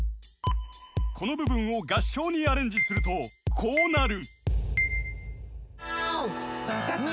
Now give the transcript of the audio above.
［この部分を合唱にアレンジするとこうなる］